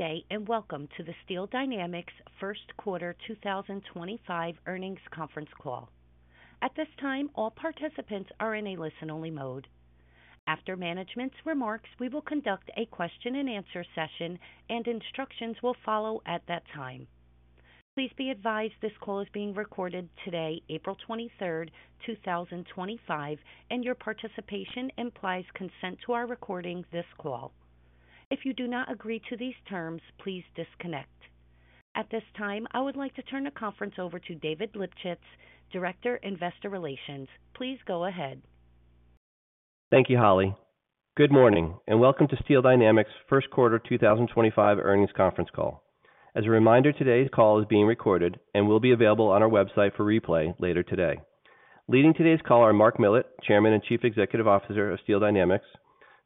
Good day and welcome to the Steel Dynamics First Quarter 2025 Earnings Conference Call. At this time, all participants are in a listen-only mode. After management's remarks, we will conduct a question and answer session and instructions will follow at that time. Please be advised this call is being recorded today, April 23rd, 2025 and your participation implies consent to our recording this call. If you do not agree to these terms, please disconnect at this time. I would like to turn the conference over to David Lipschitz, Director, Investor Relations. Please go ahead. Thank you. Good morning and welcome to Steel Dynamics First Quarter 2025 Earnings Conference Call. As a reminder, today's call is being recorded and will be available on our website for replay later today. Leading today's call are Mark Millett, Chairman and Chief Executive Officer of Steel Dynamics,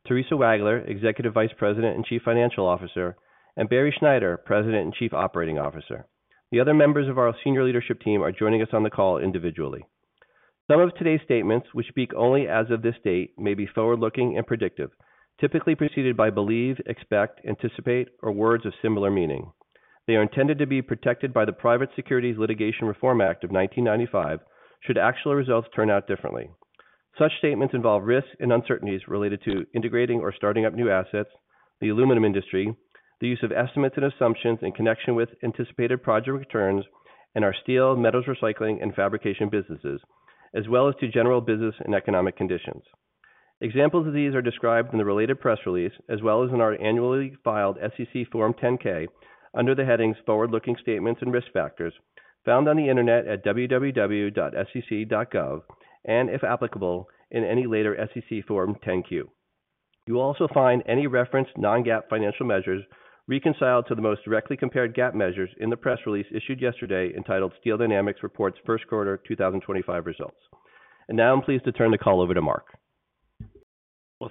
Theresa Wagler, Executive Vice President and Chief Financial Officer, and Barry Schneider, President and Chief Operating Officer. The other members of our senior leadership team are joining us on the call individually. Some of today's statements, which speak only as of this date, may be forward looking and predictive, typically preceded by believe, expect, anticipate, or words of similar meaning. They are intended to be protected by the Private Securities Litigation Reform Act of 1995 should actual results turn out differently. Such statements involve risks and uncertainties related to integrating or starting up new assets in the aluminum industry, the use of estimates and assumptions in connection with anticipated project returns and our steel, metals, recycling and fabrication businesses, as well as to general business and economic conditions. Examples of these are described in the related press release as well as in our annually filed SEC Form 10-K under the headings Forward Looking Statements and Risk Factors found on the Internet at www.sec.gov and, if applicable, in any later SEC Form 10-Q. You will also find any reference to non-GAAP financial measures reconciled to the most directly compared GAAP measures in the press release issued yesterday entitled Steel Dynamics Reports First Quarter 2025 Results. I am pleased to turn the call over to Mark.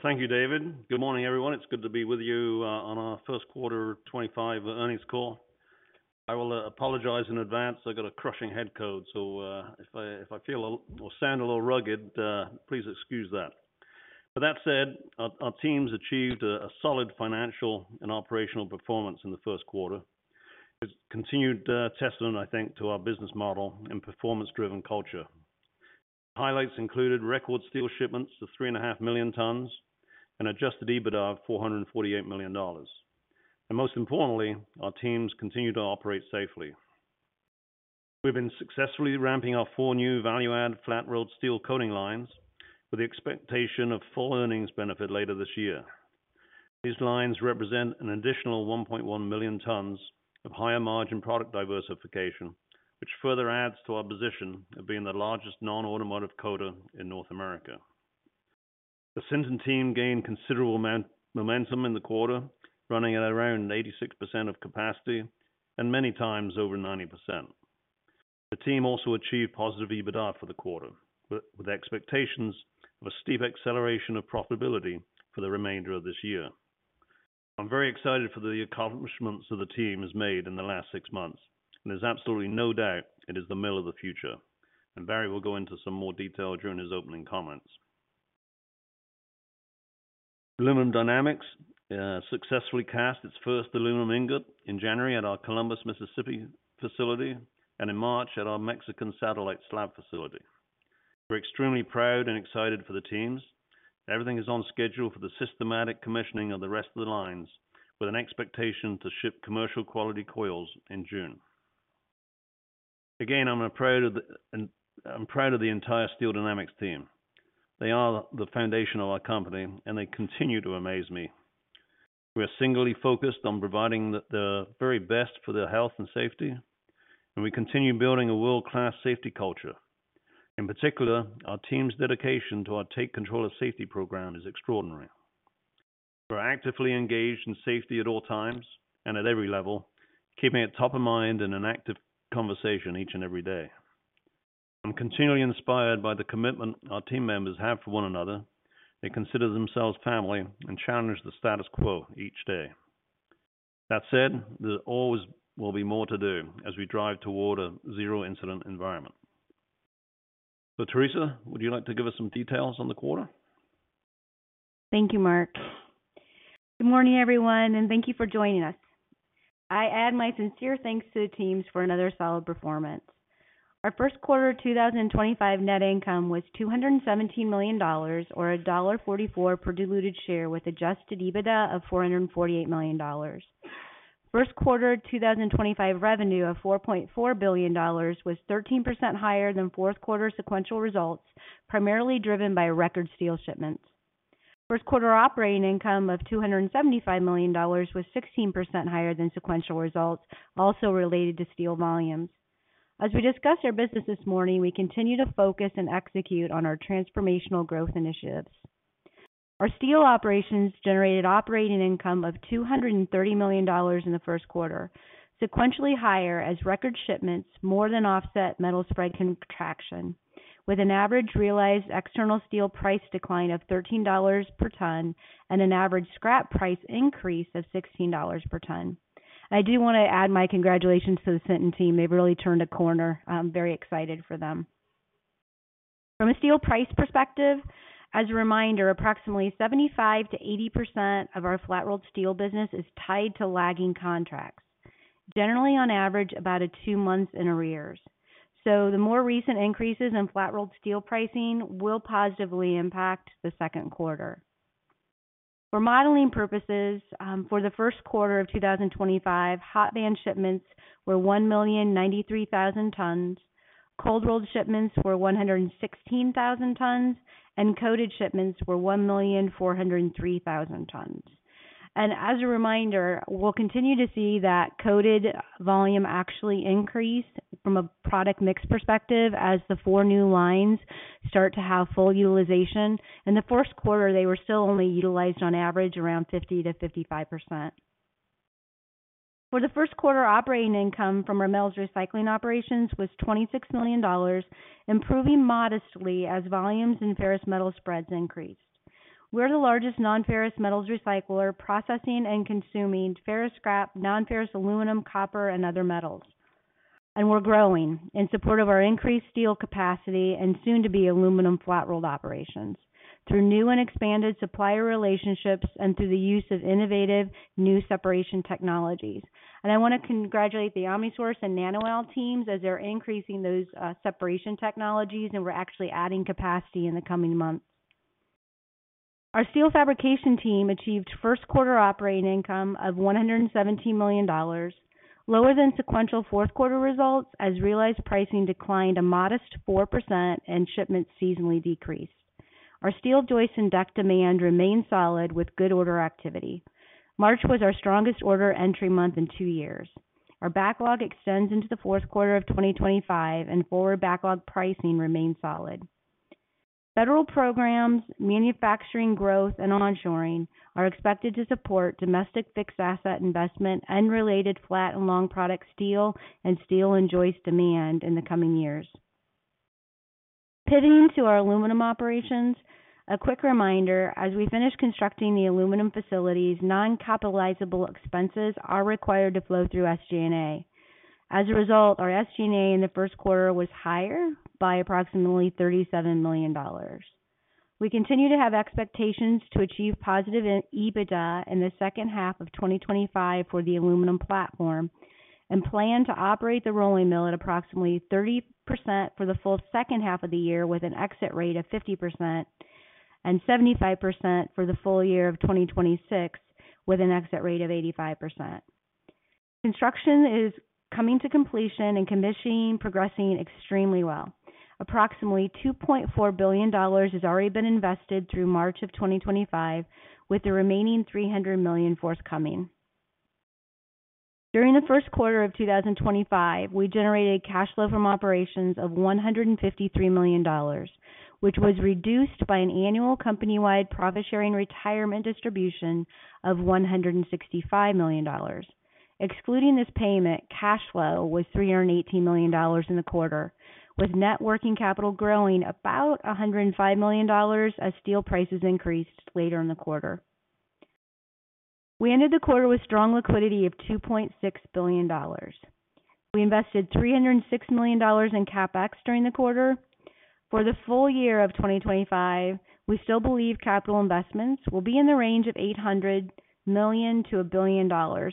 Thank you, David. Good morning everyone. It's good to be with you on our first quarter 2025 earnings call. I will apologize in advance. I got a crushing head cold so if I feel or sound a little rugged, please excuse that. That said, our teams achieved a solid financial and operational performance in the first quarter. It's continued testament, I think, to our business model and performance driven culture. Highlights included record steel shipments of 3.5 million tons, an adjusted EBITDA of $448 million, and most importantly, our teams continue to operate safely. We've been successfully ramping our four new value add flat rolled steel coating lines with the expectation of full earnings benefit later this year. These lines represent an additional 1.1 million tons of higher margin product diversification which further adds to our position of being the largest non-automotive coater in North America. The Sinton team gained considerable momentum in the quarter, running at around 86% of capacity and many times over 90%. The team also achieved positive EBITDA for the quarter with expectations of a steep acceleration of profitability for the remainder of this year. I'm very excited for the accomplishments that the team has made in the last six months and there's absolutely no doubt it is the mill of the future and Barry will go into some more detail during his opening comments. Aluminum Dynamics successfully cast its first aluminum ingot in January at our Columbus, Mississippi facility and in March at our Mexican satellite slab facility. We're extremely proud and excited for the teams. Everything is on schedule for the systematic commissioning of the rest of the lines with an expectation to ship commercial quality coils in June. Again, I'm proud of the entire Steel Dynamics team. They are the foundation of our company and they continue to amaze me. We are singly focused on providing the very best for their health and safety and we continue building a world class safety culture. In particular, our team's dedication to our Take Control of Safety program is extraordinary. We're actively engaged in safety at all times and at every level, keeping it top of mind in an active conversation each and every day. I'm continually inspired by the commitment our team members have for one another. They consider themselves family and challenge the status quo each day. That said, there always will be more to do as we drive toward a zero incident environment. Theresa, would you like to give us some details on the quarter? Thank you, Mark. Good morning, everyone, and thank you for joining us. I add my sincere thanks to the teams for another solid performance. Our first quarter 2025 net income was $217 million, or $1.44 per diluted share, with adjusted EBITDA of $448 million. First quarter 2025 revenue of $4.4 billion was 13% higher than fourth quarter sequential results, primarily driven by record steel shipments. First quarter operating income of $275 million was 16% higher than sequential results, also related to steel volumes. As we discussed our business this morning, we continue to focus and execute on our transformational growth initiatives. Our steel operations generated operating income of $230 million in the first quarter, sequentially higher as record shipments more than offset metal spread contraction with an average realized external steel price decline of $13 per ton and an average scrap price increase of $16 per ton. I do want to add my congratulations to the Sinton team. They've really turned a corner. Very excited for them. From a steel price perspective, as a reminder, approximately 75%-80% of our flat rolled steel business is tied to lagging contracts, generally on average about a two months in arrears. The more recent increases in flat rolled steel pricing will positively impact the second quarter. For modeling purposes, for the first quarter of 2025, hot band shipments were 1,093,000 tons, cold rolled shipments were 116,000 tons, and coated shipments were 1,403,000 tons. As a reminder, we'll continue to see that coated volume actually increase from a product mix perspective as the four new lines start to have full utilization. In the first quarter, they were still only utilized on average around 50%-55%. For the first quarter, operating income from OmniSource's recycling operations was $26 million, improving modestly as volumes and ferrous metal spreads increased. We are the largest nonferrous metals recycler processing and consuming ferrous scrap, nonferrous aluminum, copper, and other metals. We are growing in support of our increased steel capacity and soon to be aluminum flat rolled operations through new and expanded supplier relationships and through the use of innovative new separation technologies. I want to congratulate the OmniSource and NanoAL teams as they are increasing those separation technologies and we are actually adding capacity in the coming months. Our steel fabrication team achieved first quarter operating income of $117 million, lower than sequential fourth quarter results, as realized pricing declined a modest 4% and shipments seasonally decreased. Our steel joists and deck demand remained solid with good order activity. March was our strongest order entry month in two years. Our backlog extends into the fourth quarter of 2025 and forward backlog pricing remains solid. Federal programs, manufacturing growth and onshoring are expected to support domestic fixed asset investment and related flat and long product steel and steel and joist demand in the coming years. Pivoting to our aluminum operations, a quick reminder, as we finish constructing the aluminum facilities, non capitalizable expenses are required to flow through SG&A. As a result, our SG&A in the first quarter was higher by approximately $37 million. We continue to have expectations to achieve positive EBITDA in the second half of 2025 for the aluminum platform and plan to operate the rolling mill at approximately 30% for the full second half of the year with an exit rate of 50% and 75% for the full year of 2026 with an exit rate of 85%. Construction is coming to completion and commissioning progressing extremely well. Approximately $2.4 billion has already been invested through March of 2025 with the remaining $300 million forthcoming. During the first quarter of 2025 we generated cash flow from operations of $153 million which was reduced by an annual company wide profit sharing retirement distribution of $165 million. Excluding this payment, cash flow was $318 million in the quarter with net working capital growing about $105 million as steel prices increased later in the quarter. We ended the quarter with strong liquidity of $2.6 billion. We invested $306 million in CapEx during the quarter. For the full year of 2025, we still believe capital investments will be in the range of $800 million-$1 billion,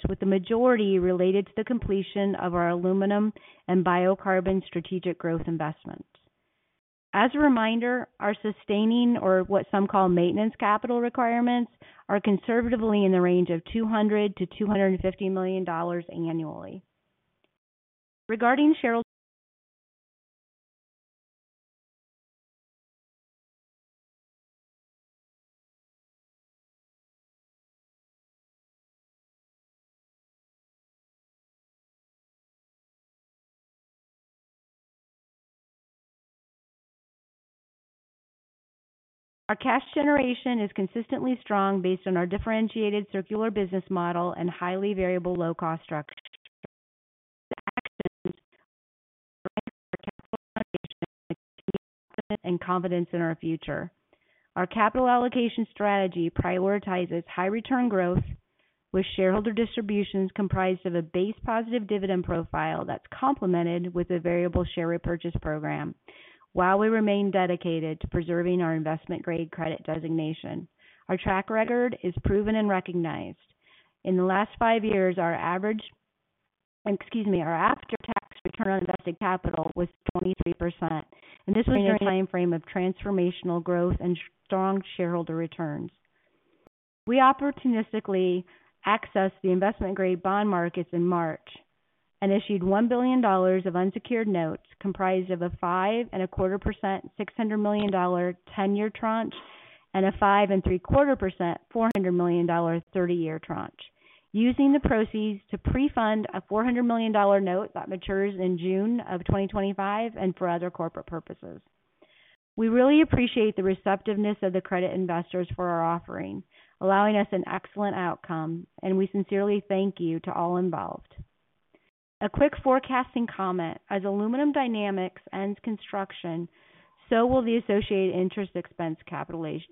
with the majority related to the completion of our aluminum and biocarbon strategic growth investments. As a reminder, our sustaining or what some call maintenance capital requirements are conservatively in the range of $200 million-$250 million annually. Regarding Shareholders. Our cash generation is consistently strong based on our differentiated circular business model and highly variable low-cost structure. confidence in our future. Our capital allocation strategy prioritizes high return growth with shareholder distributions comprised of a base positive dividend profile that's complemented with a variable share repurchase program. We remain dedicated to preserving our investment grade credit designation, our track record is proven and recognized. In the last five years our average, excuse me, our after-tax return on invested capital was 23% and this was a timeframe of transformational growth and strong shareholder returns. We opportunistically accessed the investment grade bond markets in March and issued $1 billion of unsecured notes comprised of a 5.25% $600 million 10-year tranche and a 5.75% $400 million 30-year tranche. Using the proceeds to pre-fund a $400 million note that matures in June of 2025 and for other corporate purposes. We really appreciate the receptiveness of the credit investors for our offering allowing us an excellent outcome and we sincerely thank you to all involved. A quick forecasting comment as Aluminum Dynamics ends construction, so will the associated interest expense capitalization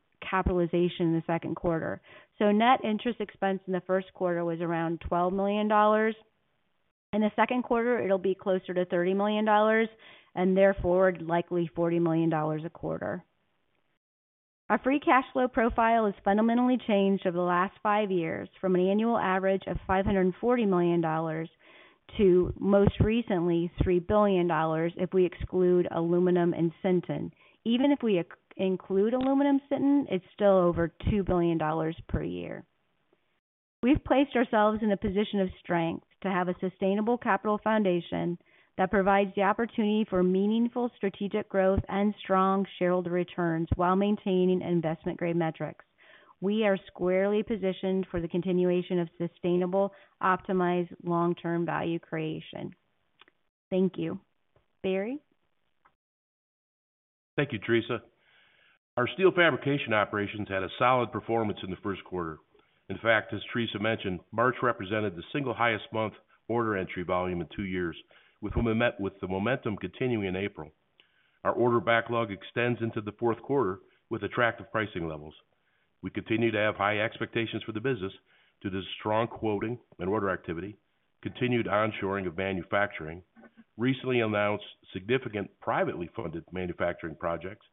in the second quarter so net interest expense in the first quarter was around $12 million. In the second quarter it'll be closer to $30 million and therefore likely $40 million a quarter. Our free cash flow profile has fundamentally changed over the last five years from an annual average of $540 million to most recently $3 billion, if we exclude aluminum and Sinton. Even if we include Aluminum and Sinton, it's still over $2 billion per year. We've placed ourselves in a position of strength to have a sustainable capital foundation that provides the opportunity for meaningful strategic growth and strong shareholder returns while maintaining investment grade metrics. We are squarely positioned for the continuation of sustainable, optimized long term value creation. Thank you. Barry? Thank you, Theresa. Our steel fabrication operations had a solid performance in the first quarter. In fact, as Theresa mentioned, March represented the single highest month order entry volume in two years with whom we met. With the momentum continuing in April, our order backlog extends into the fourth quarter with attractive pricing levels. We continue to have high expectations for the business due to strong quoting and order activity. Continued onshoring of manufacturing, recently announced significant privately funded manufacturing projects,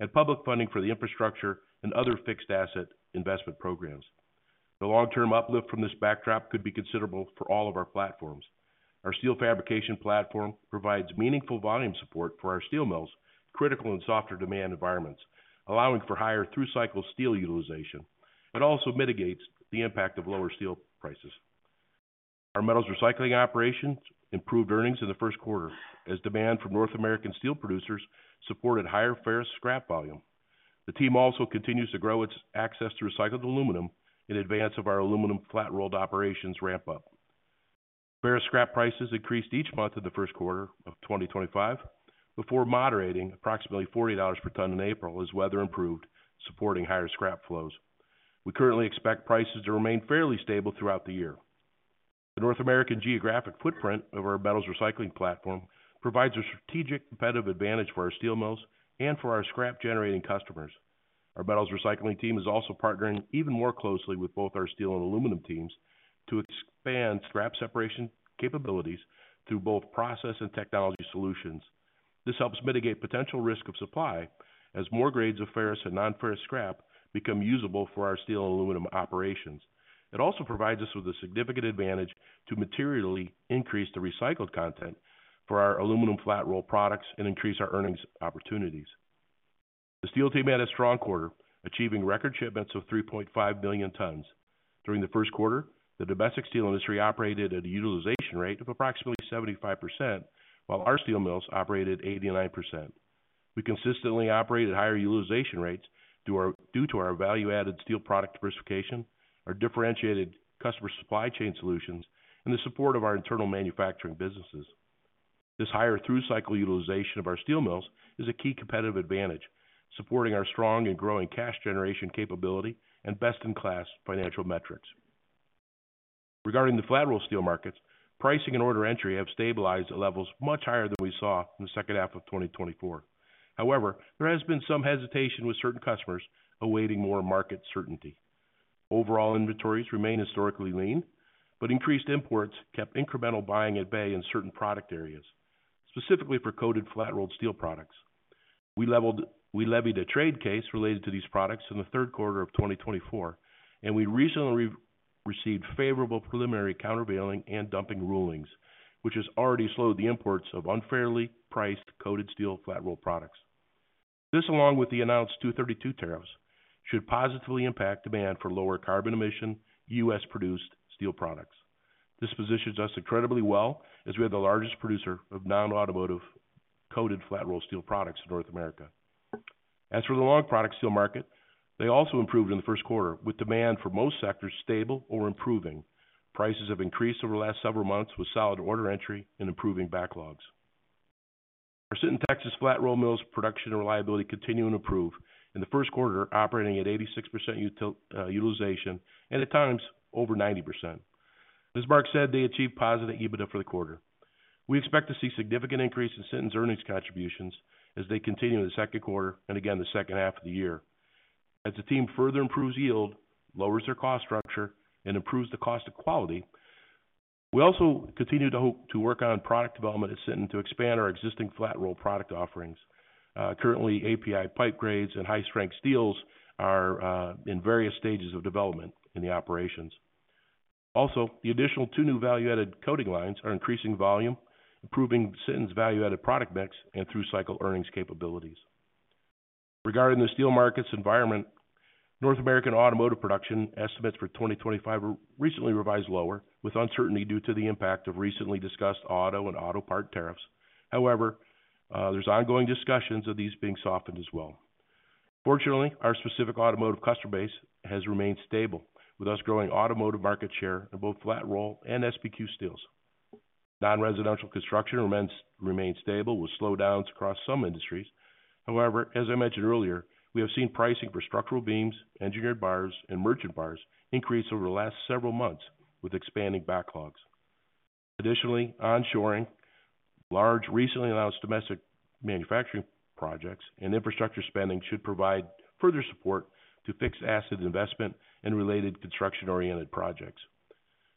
and public funding for the infrastructure and other fixed asset investment programs. The long term uplift from this backdrop could be considerable for all of our platforms. Our steel fabrication platform provides meaningful volume support for our steel mills, critical in softer demand environments, allowing for higher through cycle steel utilization. It also mitigates the impact of lower steel prices. Our metals recycling operations improved earnings in the first quarter as demand from North American steel producers supported higher ferrous scrap volume. The team also continues to grow its access to recycled aluminum in advance of our aluminum flat rolled operations ramp up. Ferrous scrap prices increased each month in the first quarter of 2025 before moderating approximately $40 per ton in April as weather improved supporting higher scrap flows. We currently expect prices to remain fairly stable throughout the year. The North American geographic footprint of our metals recycling platform provides a strategic competitive advantage for our steel mills and for our scrap generating customers. Our metals recycling team is also partnering even more closely with both our steel and aluminum teams to expand scrap separation capabilities through both process and technology solutions. This helps mitigate potential risk of supply as more grades of ferrous and nonferrous scrap become usable for our steel and aluminum operations. It also provides us with a significant advantage to materially increase the recycled content for our aluminum flat rolled products and increase our earnings opportunities. The steel team had a strong quarter achieving record shipments of 3.5 million tons. During the first quarter, the domestic steel industry operated at a utilization rate of approximately 75% while our steel mills operated 89%. We consistently operate at higher utilization rates due to our value-added steel product diversification, our differentiated customer supply chain solutions, and the support of our internal manufacturing businesses. This higher through cycle utilization of our steel mills is a key competitive advantage supporting our strong and growing cash generation capability and best in class financial metrics. Regarding the flat rolled steel markets, pricing and order entry have stabilized at levels much higher than we saw in the second half of 2024. However, there has been some hesitation with certain customers awaiting more market certainty. Overall, inventories remain historically lean, but increased imports kept incremental buying at bay in certain product areas. Specifically for coated flat rolled steel products, we levied a trade case related to these products in the third quarter of 2024 and we recently received favorable preliminary countervailing and dumping rulings, which has already slowed the imports of unfairly priced coated steel flat rolled products. This, along with the announced 232 tariffs, should positively impact demand for lower carbon emission U.S.-produced steel products. This positions us incredibly well as we are the largest producer of non-automotive coated flat rolled steel products in North America. As for the long product steel market, they also improved in the first quarter with demand for most sectors stable or improving. Prices have increased over the last several months with solid order entry and improving backlogs. Our Sinton, Texas flat rolled mill's production and reliability continue to improve in the first quarter, operating at 86% utilization and at times over 90%. As Mark said, they achieved positive EBITDA for the quarter. We expect to see significant increase in Sinton's earnings contributions as they continue in the second quarter and again the second half of the year as the team further improves yield, lowers their cost structure, and improves the cost of quality. We also continue to hope to work on product development at Sinton to expand our existing flat rolled product offerings. Currently, API pipe grades and high strength steels are in various stages of development in the operations. Also, the additional two new value added coating lines are increasing volume, improving Sinton's value added product mix and through cycle earnings capabilities. Regarding the steel market's environment, North American automotive production estimates for 2025 were recently revised lower with uncertainty due to the impact of recently discussed auto and auto part tariffs. However, there's ongoing discussions of these being softened as well. Fortunately, our specific automotive customer base has remained stable with U.S. growing automotive market share in both flat rolled and SBQ steels. Non residential construction remains stable with slowdowns across some industries. However, as I mentioned earlier, we have seen pricing for structural beams, engineered bars, and merchant bars increase over the last several months with expanding backlogs. Additionally, onshoring large recently announced domestic manufacturing projects and infrastructure spending should provide further support to fixed asset investment and related construction-oriented projects.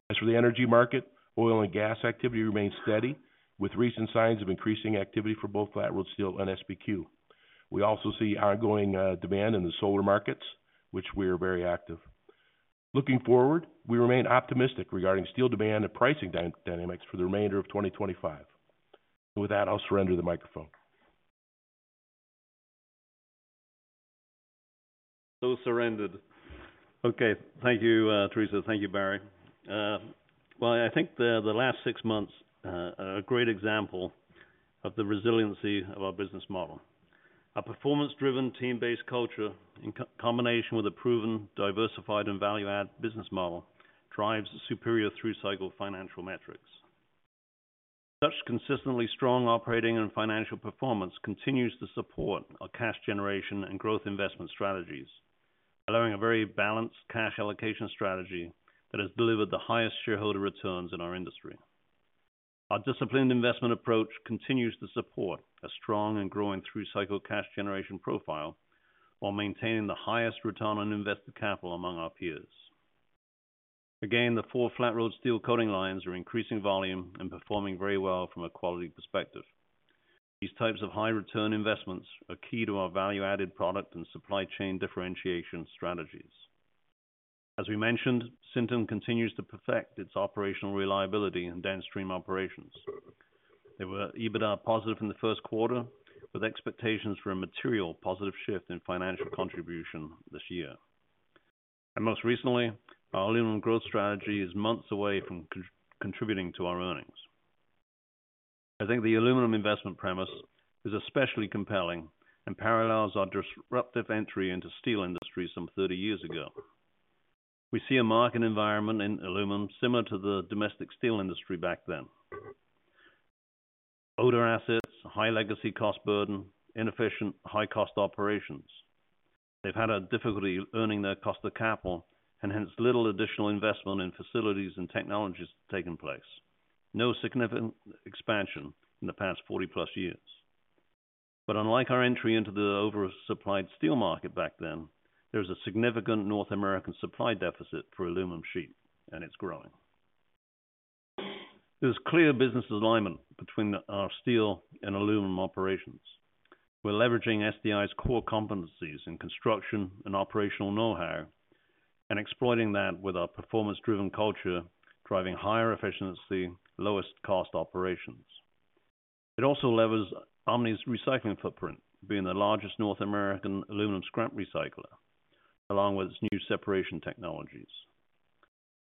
As for the energy market, oil and gas activity remains steady with recent signs of increasing activity for both flat-rolled steel and SBQ. We also see ongoing demand in the solar markets, which we are very active looking forward. We remain optimistic regarding steel demand and pricing dynamics for the remainder of 2025. With that, I'll surrender the microphone. Thank you, Theresa. Thank you, Barry. I think the last six months are a great example of the resiliency of our business model. A performance driven team based culture in combination with a proven diversified and value add business model drives superior through cycle financial metrics. Such consistently strong operating and financial performance continues to support our cash generation and growth investment strategies, allowing a very balanced cash allocation strategy that has delivered the highest shareholder returns in our industry. Our disciplined investment approach continues to support a strong and growing through cycle cash generation profile while maintaining the highest return on invested capital among our peers. Again, the four flat rolled steel coating lines are increasing volume and performing very well from a quality perspective. These types of high return investments are key to our value added product and supply chain differentiation strategies. As we mentioned, Sinton continues to perfect its operational reliability in downstream operations. They were EBITDA-positive in the first quarter with expectations for a material positive shift in financial contribution this year. Most recently, our aluminum growth strategy is months away from contributing to our earnings. I think the aluminum investment premise is especially compelling and parallels our disruptive entry into steel industries some 30 years ago. We see a market environment in aluminum similar to the domestic steel industry back then. Older assets, high legacy cost burden, inefficient high cost operations. They've had a difficulty earning their cost of capital and hence little additional investment in facilities and technologies taking place. No significant expansion in the past 40+ years. Unlike our entry into the oversupplied steel market back then, there is a significant North American supply deficit for aluminum sheet and it's growing. There's clear business alignment between our steel and aluminum operations. We're leveraging SDI's core competencies in construction and operational know how and exploiting that with our performance driven culture driving higher efficiency, lowest cost operations. It also levers Omni's recycling footprint, being the largest North American aluminum scrap recycler along with its new separation technologies.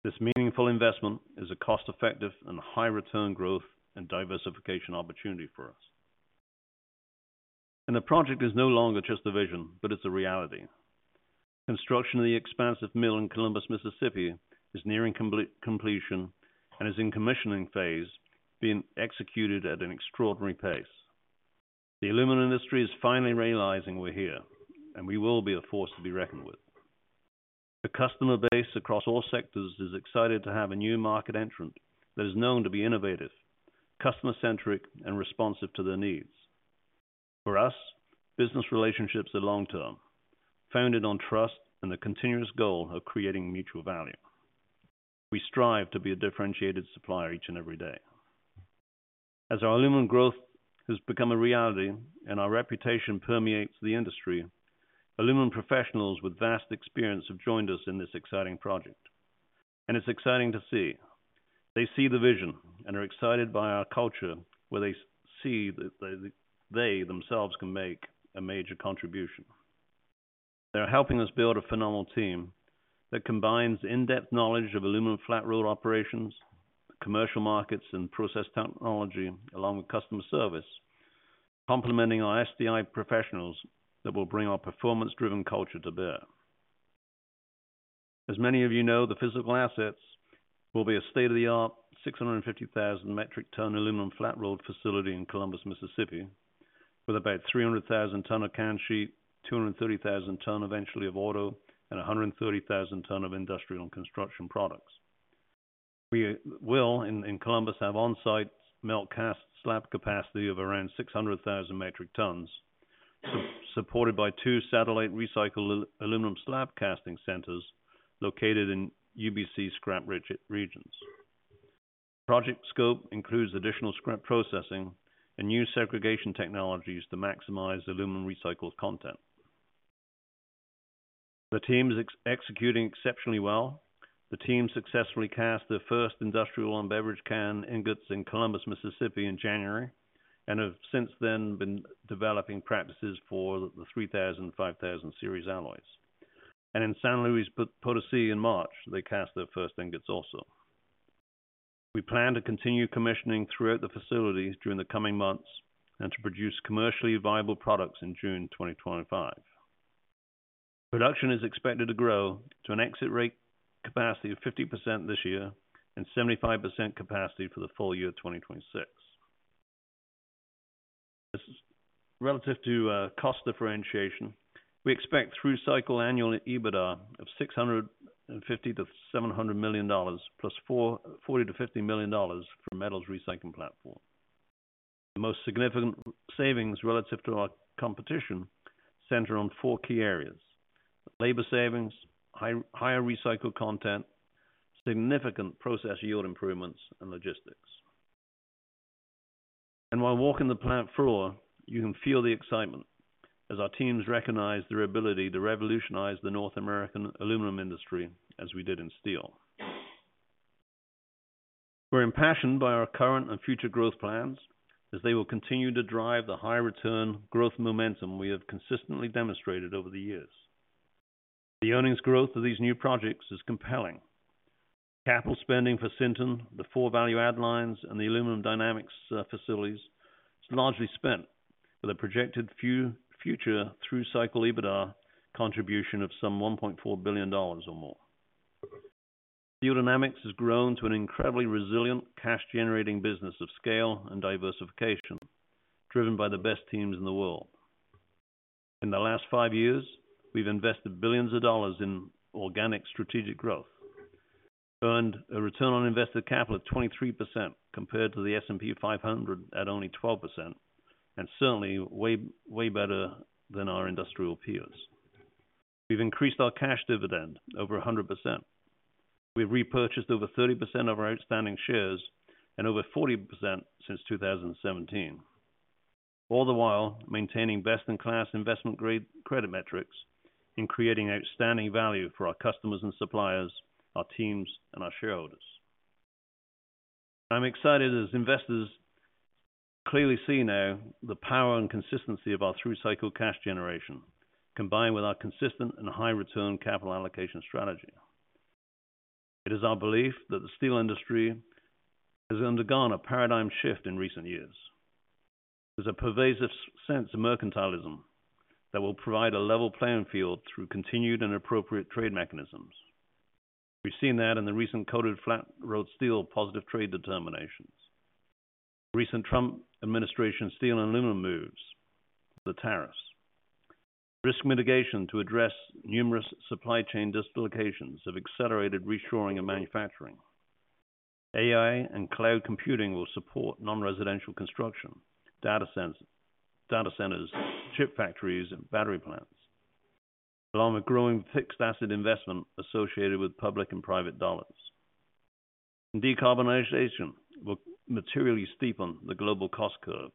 This meaningful investment is a cost effective and high return growth and diversification opportunity for us. The project is no longer just a vision, but it's a reality. Construction of the expansive mill in Columbus, Mississippi is nearing completion and is in commissioning phase, being executed at an extraordinary pace. The aluminum industry is finally realizing we're here and we will be a force to be reckoned with. The customer base across all sectors is excited to have a new market entrant that is known to be innovative, customer centric and responsive to their needs. For us, business relationships are long term, founded on trust and the continuous goal of creating mutual value. We strive to be a differentiated supplier each and every day as our aluminum growth has become a reality and our reputation permeates the industry. Aluminum professionals with vast experience have joined us in this exciting project and it's exciting to see they see the vision and are excited by our culture where they see that they themselves can make a major contribution. They're helping us build a phenomenal team that combines in-depth knowledge of aluminum flat rolled operations, commercial markets and process technology along with customer service, complementing our SDI professionals that will bring our performance driven culture to bear. As many of you know, the physical assets will be a state-of-the-art 650,000 metric ton aluminum flat rolled facility in Columbus, Mississippi with about 300,000 ton of can sheet, 230,000 ton eventually of auto, and 130,000 ton of industrial and construction products. We will in Columbus have on-site melt cast slab capacity of around 600,000 metric tons supported by two satellite recycled aluminum slab casting centers located in UBC scrap rich regions. Project scope includes additional scrap processing and new segregation technologies to maximize aluminum recycled content. The team is executing exceptionally well. The team successfully cast their first industrial and beverage can ingots in Columbus, Mississippi in January and have since then been developing practices for the 3000 and 5000 series alloys. In San Luis Potosi in March they cast their first ingots. Also we plan to continue commissioning throughout the facilities during the coming months and to produce commercially viable products in June 2025. Production is expected to grow to an exit rate capacity of 50% this year and 75% capacity for the full year 2026. Relative to cost differentiation, we expect through cycle annual EBITDA of $650 million-$700 million plus $40 million-$50 million from metals recycling platform. The most significant savings relative to our competition center on four key areas: labor savings, higher recycled content, significant process yield improvements and logistics. While walking the plant floor, you can feel the excitement as our teams recognize their ability to revolutionize the North American aluminum industry as we did in steel. We are impassioned by our current and future growth plans. They will continue to drive the high return growth momentum we have consistently demonstrated over the years. The earnings growth of these new projects is compelling. Capital spending for Sinton, the four value add lines and the Aluminum Dynamics facilities is largely spent with a projected future through cycle EBITDA contribution of some $1.4 billion or more. Steel Dynamics has grown to an incredibly resilient cash generating business of scale and diversification driven by the best teams in the world. In the last five years, we've invested billions of dollars in organic strategic growth, earned a return on invested capital of 23% compared to the S&P 500 at only 12% and certainly way, way better than our industrial peers. We've increased our cash dividend over 100%, we've repurchased over 30% of our outstanding shares and over 40% since 2017. All the while maintaining best in class investment grade credit metrics and creating outstanding value for our customers and suppliers, our teams, and our shareholders. I'm excited as investors clearly see now the power and consistency of our through cycle cash generation combined with our consistent and high return capital allocation strategy. It is our belief that the steel industry has undergone a paradigm shift in recent years. There's a pervasive sense of mercantilism that will provide a level playing field through continued and appropriate trade mechanisms. We've seen that in the recent coated flat rolled steel, positive trade determinations, recent Trump administration steel and aluminum moves, the tariffs, risk mitigation to address numerous supply chain dislocations have accelerated reshoring and manufacturing. AI and cloud computing will support non residential construction data centers, chip factories and battery plants along with growing fixed asset investment associated with public and private dollars. Decarbonization will materially steepen the global cost curve,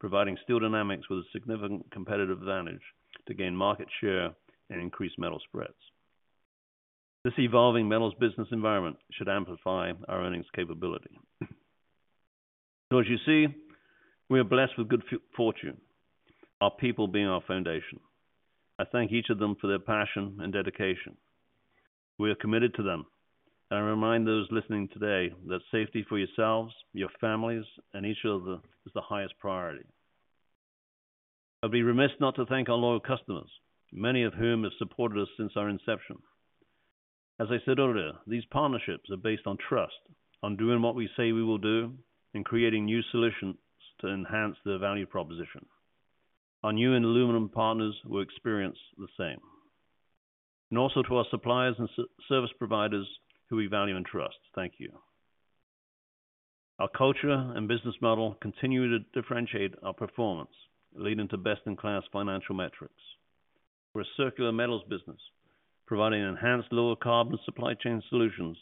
providing Steel Dynamics with a significant competitive advantage to gain market share and increase metal spreads. This evolving metals business environment should amplify our earnings capability. As you see, we are blessed with good fortune, our people being our foundation. I thank each of them for their passion and dedication. We are committed to them and I remind those listening today that safety for yourselves, your families and each other is the highest priority. I'd be remiss not to thank our loyal customers, many of whom have supported us since our inception. As I said earlier, these partnerships are based on trust, on doing what we say we will do and creating new solutions to enhance the value proposition. Our new and aluminum partners will experience the same and also to our suppliers and service providers who we value and trust. Thank you. Our culture and business model continue to differentiate our performance leading to best in class financial metrics. We're a circular metals business providing enhanced lower carbon supply chain solutions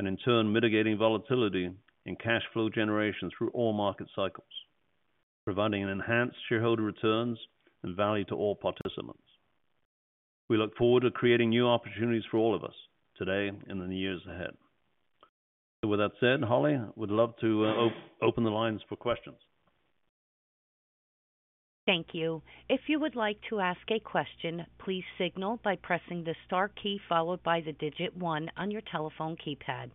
and in turn mitigating volatility in cash flow generation through all market cycles, providing enhanced shareholder returns and value to all participants. We look forward to creating new opportunities for all of us today and in the years ahead. With that said, Holly would love to open the lines for questions. Thank you. If you would like to ask a question, please signal by pressing the star key followed by the digit one on your telephone keypad.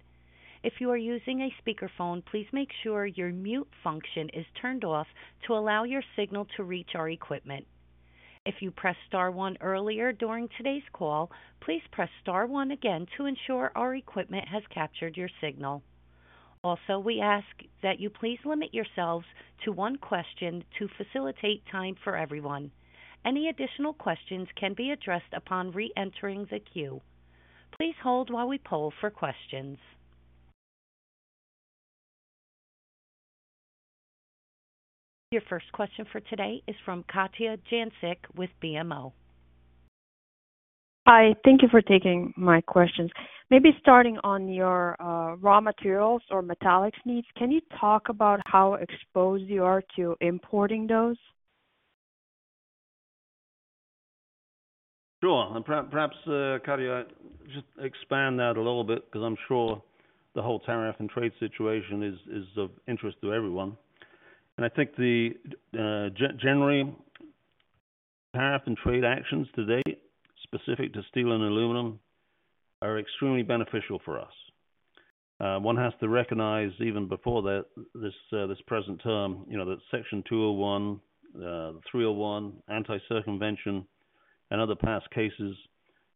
If you are using a speakerphone, please make sure your mute function is turned off to allow your signal to reach our equipment. If you pressed star one earlier during today's call, please press star one again to ensure our equipment has captured your signal. Also, we ask that you please limit yourselves to one question to facilitate time for everyone. Any additional questions can be addressed upon reentering the queue. Please hold while we poll for questions. Your first question for today is from Katja Jancic with BMO. Hi, thank you for taking my questions. Maybe starting on your raw materials or metallics needs, can you talk about how exposed you are to importing those? Sure. Perhaps Katja, just expand that a little bit because I'm sure the whole tariff and trade situation is of interest to everyone, and I think the general tariff and trade actions today specific to steel and aluminum are extremely beneficial for us. One has to recognize even before this present term that Section 201, 301, anti-circumvention, and other past cases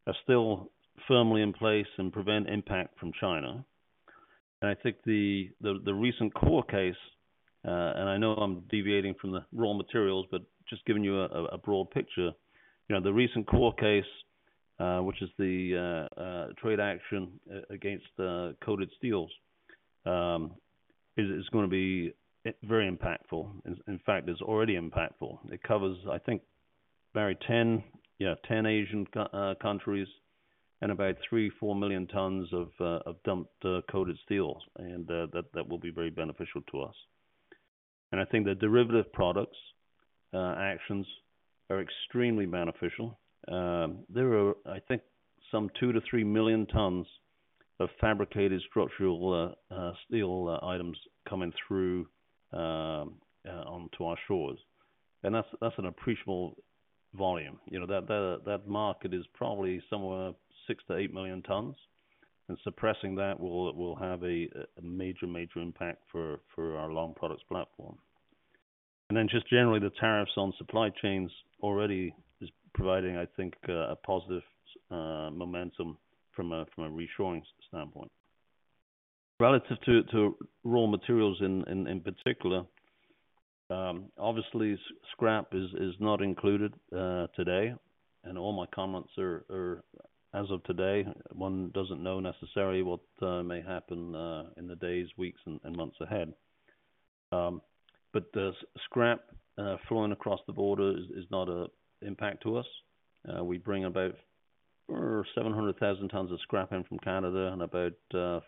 are still firmly in place and prevent impact from China. I think the recent CORE case, and I know I'm deviating from the raw materials but just giving you a broad picture, the recent CORE case, which is the trade action against coated steels, is going to be very impactful. In fact, it's already impactful. It covers, I think, Barry, 10—yeah, 10 Asian countries and about 3.4 million tons of dumped coated steel, and that will be very beneficial to us. I think the derivative products actions are extremely beneficial. There are, I think, some 2 million-3 million tons of fabricated structural steel items coming through onto our shores and that's an appreciable volume. You know that market is probably somewhere 6 million-8 million tons and suppressing that will have a major, major impact for our long products platform. Just generally, the tariffs on supply chains already are providing, I think, a positive momentum from a reshoring standpoint relative to raw materials in particular. Obviously, scrap is not included today and all my comments as of today, one doesn't know necessarily what may happen in the days, weeks, and months ahead. Scrap flowing across the border is not an impact to us. We bring about 700,000 tons of scrap in from Canada and about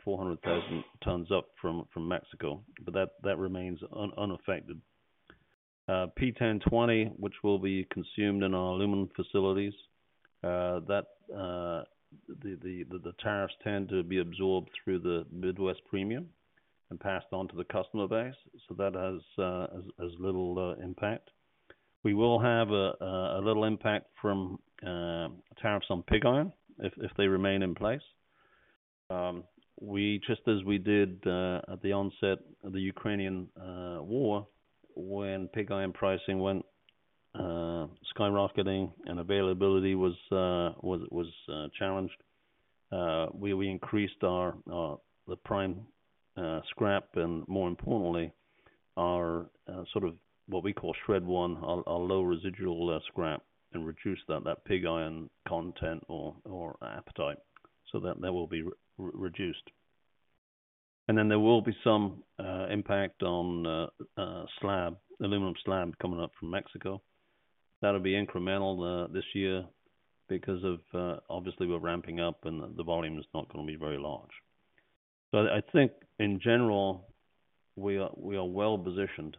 400,000 tons up from Mexico. That remains unaffected. P1020, which will be consumed in our aluminum facilities, the tariffs tend to be absorbed through the Midwest Premium and passed on to the customer base. That has as little impact. We will have a little impact from tariffs on pig iron if they remain in place, just as we did at the onset of the Ukrainian war when pig iron pricing went skyrocketing and availability was challenged. We increased our prime scrap and, more importantly, our sort of what we call Shred1, our low residual scrap, and reduced that pig iron content or appetite. That will be reduced, and then there will be some impact on aluminum slab coming up from Mexico. That will be incremental this year because, obviously, we are ramping up and the volume is not going to be very large. I think in general we are well positioned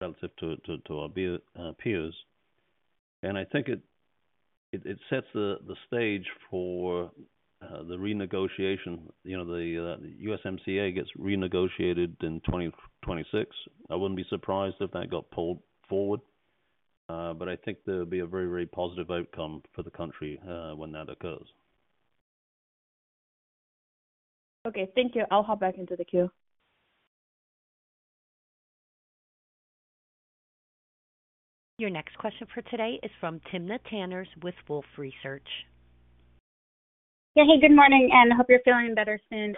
relative to our peers and I think it sets the stage for the renegotiation. You know the USMCA gets renegotiated in 2026. I would not be surprised if that got pulled forward. I think there will be a very, very positive outcome for the country when that occurs. Okay, thank you. I'll hop back into the queue. Your next question for today is from Timna Tanners with Wolfe Research. Hey, good morning and hope you're feeling better soon.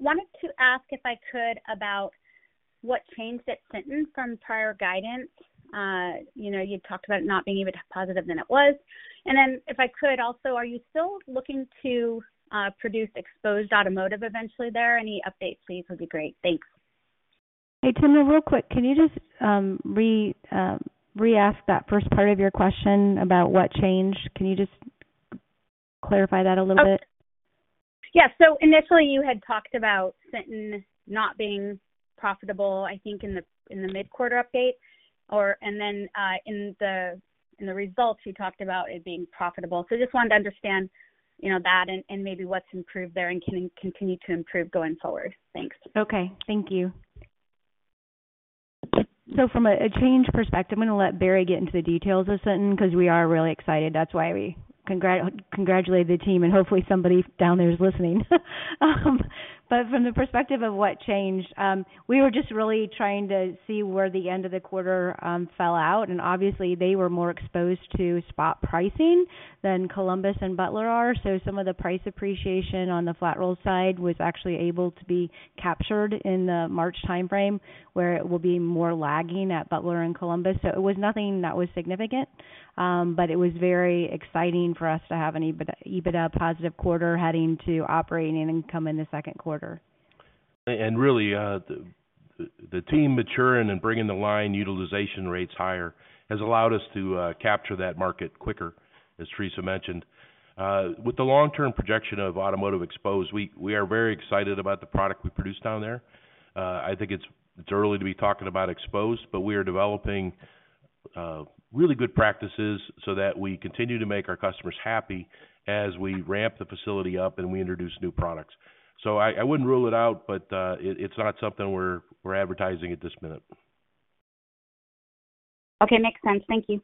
Wanted to ask if I could about what changed at Sinton from prior guidance. You know you talked about it not being even positive than it was and then if I could also. Are you still looking to produce exposed automotive eventually, are there any updates? These would be great. Thanks. Hey Timna, real quick, can you just re-ask that first part of your question about what changed? Can you just clarify that a little bit? Yeah. Initially, you had talked about Sinton not being profitable. I think in the mid quarter update or and then in the results you talked about it being profitable. I just wanted to understand, you know, that and maybe what has improved there and can continue to improve going forward. Thanks. Okay, thank you. From a change perspective, I'm going to let Barry get into the details of something because we are really excited. That is why we congratulate the team and hopefully somebody down there is listening. From the perspective of what changed, we were just really trying to see where the end of the quarter fell out. Obviously, they were more exposed to spot pricing than Columbus and Butler are. Some of the price appreciation on the flat rolled side was actually able to be captured in the March time frame where it will be more lagging at Butler and Columbus. It was nothing that was significant. It was very exciting for us to have an EBITDA-positive quarter heading to operating income in the second quarter. Really the team maturing and bringing the line utilization rates higher has allowed us to capture that market quicker. As Theresa mentioned, with the long term projection of automotive exposed, we are very excited about the product we produce down there. I think it's early to be talking about exposed, but we are developing really good practices so that we continue to make our customers happy as we ramp the facility up and we introduce new products. I would not rule it out, but it's not something we're advertising at this minute. Okay, makes sense. Thank you.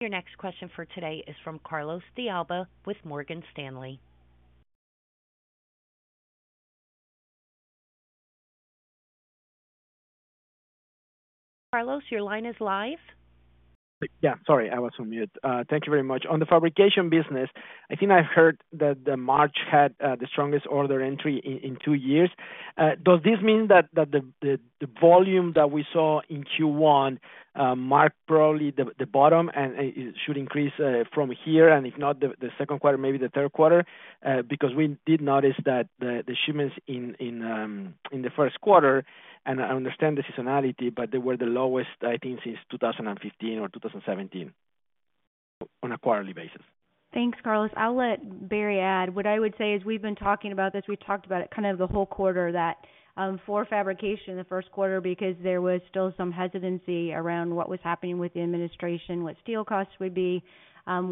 Your next question for today is from Carlos de Alba with Morgan Stanley. Carlos, your line is live. Yeah, sorry, I was on mute. Thank you very much. On the fabrication business, I think I've heard that March had the strongest order entry in two years. Does this mean that the volume that we saw in Q1 marked probably the bottom and should increase from here, and if not the second quarter, maybe the third quarter. Because we did notice that the shipments in the first quarter, and I understand the seasonality, but they were the lowest, I think since 2015 or 2017 on a quarterly basis. Thanks, Carlos. I'll let Barry add. What I would say is we've been talking about this, we talked about it kind of the whole quarter that for fabrication in the first quarter, because there was still some hesitancy around what was happening with the administration, what steel costs would be,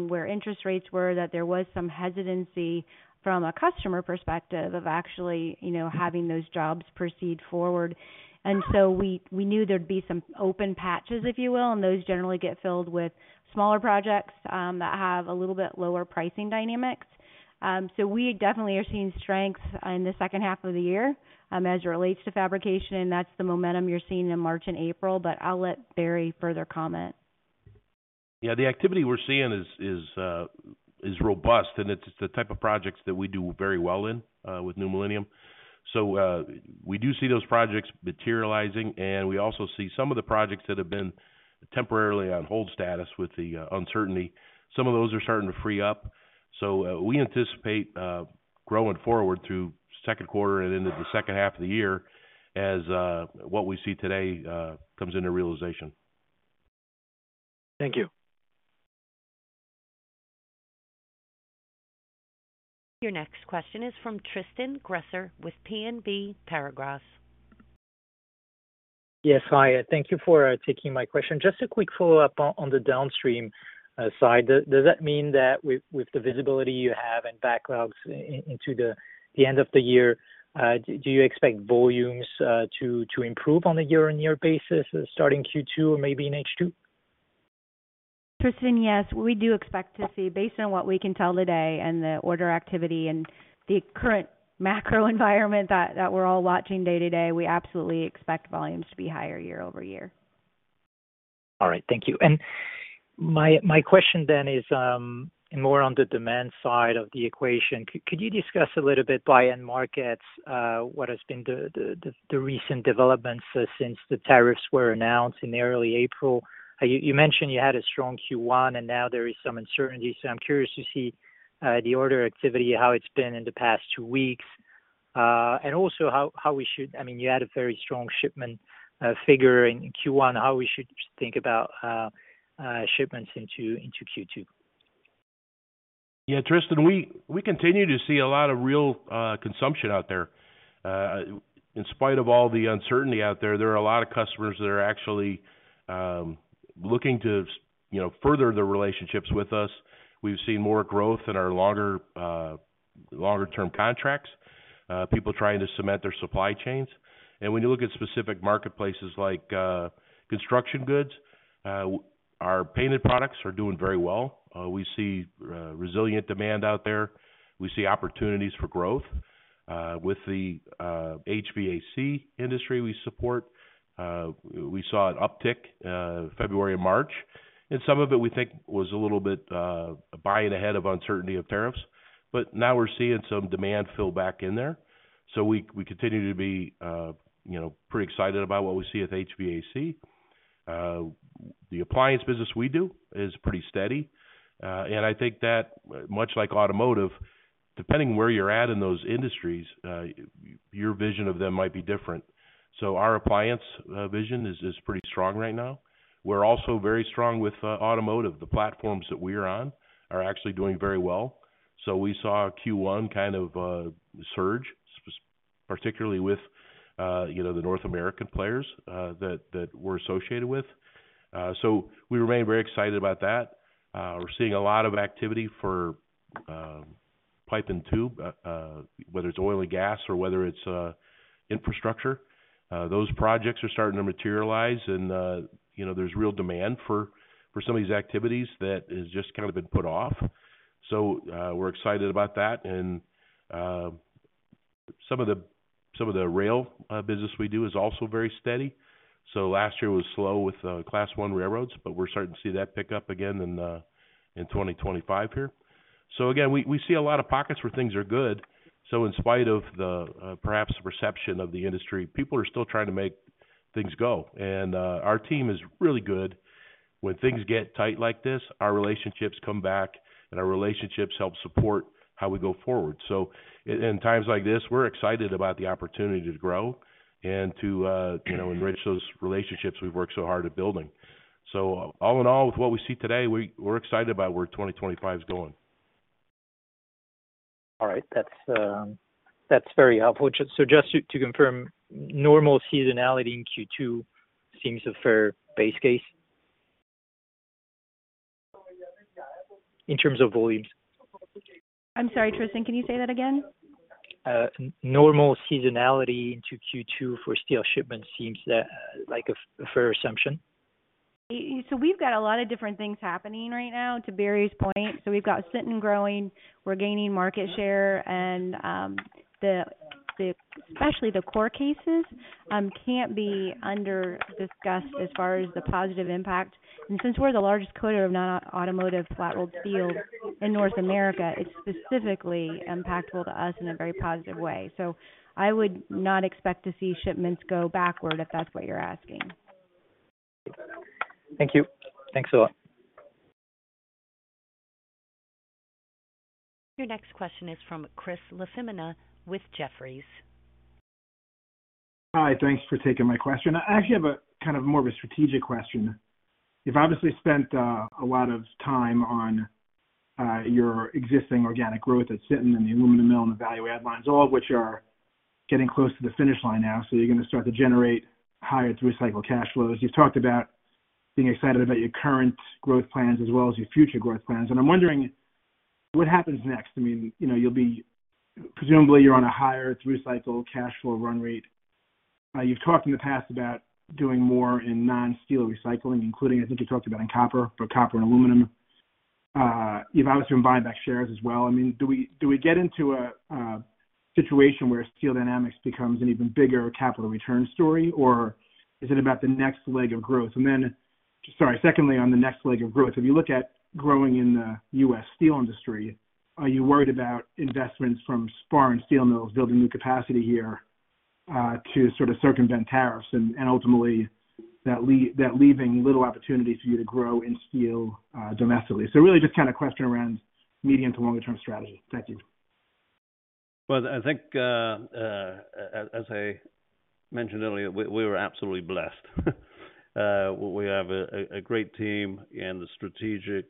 where interest rates were, that there was some hesitancy from a customer perspective of actually having those jobs proceed forward. We knew there would be some open patches, if you will, and those generally get filled with smaller projects that have a little bit lower pricing dynamics. We definitely are seeing strength in the second half of the year as it relates to fabrication. That is the momentum you're seeing in March and April. I'll let Barry further comment. Yeah, the activity we're seeing is robust and it's the type of projects that we do very well in with New Millennium. We do see those projects materializing. We also see some of the projects that have been temporarily on hold status with the uncertainty. Some of those are starting to free up. We anticipate growing forward through second quarter and into the second half of the year as what we see today comes into realization. Thank you. Your next question is from Tristan Gresser with BNP Paribas. Yes, hi. Thank you for taking my question. Just a quick follow up on the downstream side, does that mean that with the visibility you have and backlogs into the end of the year, do you expect volumes to improve on a year-on-year basis starting Q2 or maybe in H2? Tristan? Yes, we do expect to see, based on what we can tell today and the order activity and the current macro environment that we're all watching day to day, we absolutely expect volumes to be higher year over year. All right, thank you. My question then is more on the demand side of the equation. Could you discuss a little bit by end markets, what has been the recent developments since the tariffs were announced in early April? You mentioned you had a strong Q1. Now there is some uncertainty. I am curious to see the order activity, how it's been in the past weeks and also how we should. I mean, you had a very strong shipment figure in Q1, how we should think about shipments into Q2. Yeah, Tristan, we continue to see a lot of real consumption out there in spite of all the uncertainty out there. There are a lot of customers that are actually looking to further the relationships with us. We've seen more growth in our longer term contracts, people trying to cement their supply chains. When you look at specific marketplaces like construction goods, our painted products are doing very well. We see resilient demand out there. We see opportunities for growth with the HVAC industry we support. We saw an uptick February and March and some of it we think was a little bit buying ahead of uncertainty of tariffs. Now we're seeing some demand fill back in there. We continue to be, you know, pretty excited about what we see at HVAC. The appliance business we do is pretty steady and I think that much like automotive, depending where you're at in those industries, your vision of them might be different. Our appliance vision is pretty strong right now. We're also very strong with automotive. The platforms that we are on are actually doing very well. We saw Q1 kind of surge, particularly with, you know, the North American players that we're associated with. We remain very excited about that. We're seeing a lot of activity for pipe and tube, whether it's oil and gas or whether it's infrastructure. Those projects are starting to materialize and, you know, there's real demand for some of these activities that has just kind, have been put off. We're excited about that. And, some of the rail business we do is also very steady. Last year was slow with Class I railroads, but we're starting to see that pick up again in 2025 here. We see a lot of pockets where things are good. In spite of the perhaps perception of the industry, people are still trying to make things go and our team is really good. When things get tight like this, our relationships come back and our relationships help support how we go forward. In times like this, we're excited about the opportunity to grow and to enrich those relationships we've worked so hard at building. All in all, with what we see today, we're excited about where 2025 is going. All right, that's very helpful. Just to confirm, normal seasonality in Q2 seems a fair base case in terms of volumes? I'm sorry, Tristan, can you say that again? Normal seasonality into Q2 for steel shipments seems like a fair assumption? We've got a lot of different things happening right now to Barry's point. We've got Sinton growing, we're gaining market share and especially the CORE cases can't be under discussed as far as the positive impact. Since we're the largest coater of non-automotive flat rolled steel in North America, it's specifically impactful to us in a very positive way. I would not expect to see shipments go backward if that's what you're asking. Thank you. Thanks a lot. Your next question is from Chris LaFemina with Jefferies. Hi, thanks for taking my question. I actually have a kind of more of a strategic question. You've obviously spent a lot of time on your existing organic growth at Sinton. In the aluminum mill and the value. Add lines, all of which are getting close to the finish line now. You are going to start to generate higher through cycle cash flows. You talked about being excited about your current growth plans as well as your future growth plans. I am wondering what happens next. I mean, you know, you will be presumably you are on a higher through cycle cash flow run rate. You have talked in the past about doing more in non steel recycling, including I think you talked about in copper, but copper and aluminum. You have obviously been buying back shares as well. I mean, do we get into a situation where Steel Dynamics becomes an even bigger capital return story or is it about the next leg of growth and then, sorry, secondly on the next leg of growth, if you look at growing in the U.S. steel industry, are you worried about investments from foreign steel mills building new capacity here to sort of circumvent tariffs and ultimately that leaving little opportunity for you to grow in steel domestically? So really just kind of question around medium to longer term strategy. Thank you. I think as I mentioned earlier, we were absolutely blessed. We have a great team and the strategic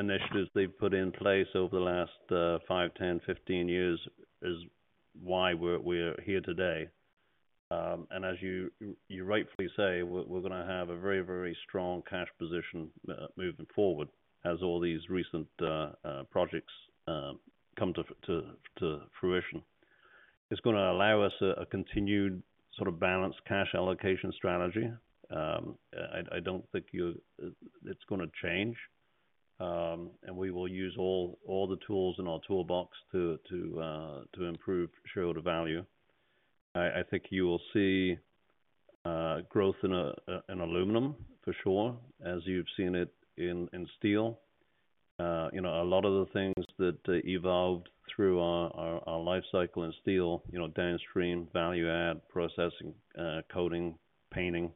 initiatives they've put in place over the last five, 10, 15 years is why we're here today. As you rightfully say, we're going to have a very, very strong cash position moving forward as all these recent projects come to fruition. It's going to allow us a continued sort of balanced cash allocation strategy. I don't think it's going to change and we will use all the tools in our toolbox to improve shareholder value. I think you will see growth in aluminum for sure as you've seen it in steel. You know, a lot of the things that evolved through our life cycle in steel, you know, downstream value add processing, coating, painting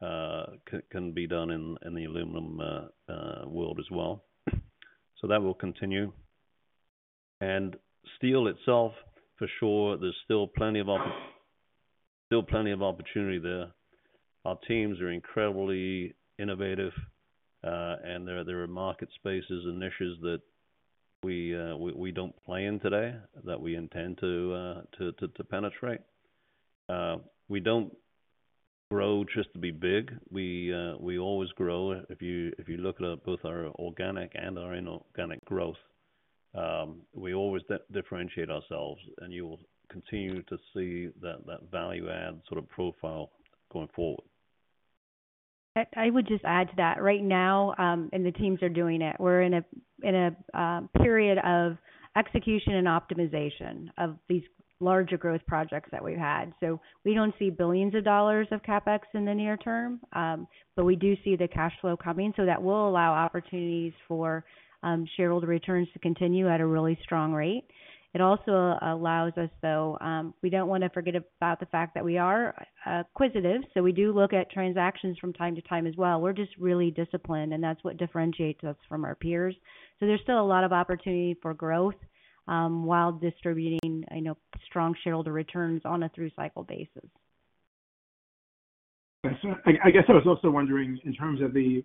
can be done in the aluminum world as well. That will continue. Steel itself for sure. There is still plenty of, still plenty of opportunity there. Our teams are incredibly innovative and there are market spaces, initiatives that we do not plan today that we intend to penetrate. We do not grow just to be big, we always grow. If you look at both our organic and our inorganic growth, we always differentiate ourselves. You will continue to see that value add sort of profile going forward. I would just add to that right now. The teams are doing it. We're in a period of execution and optimization of these larger growth projects that we've had. We don't see billions of dollars of CapEx in the near term, but we do see the cash flow coming. That will allow opportunities for shareholder returns to continue at a really strong rate. It also allows us, though, we don't want to forget about the fact that we are acquisitive. We do look at transactions from time to time as well. We're just really disciplined and that's what differentiates us from our peers. There's still a lot of opportunity for growth while distributing strong shareholder returns on a through cycle basis. I guess I was also wondering in terms of the